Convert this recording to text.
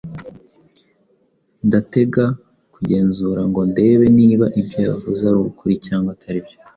Ndategaa kugenzura ngo ndebe niba ibyo yavuze ari ukuri cyangwa atari byo.